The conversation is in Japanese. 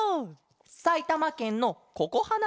さいたまけんのここはな